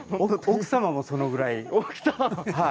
奥様もそのぐらい。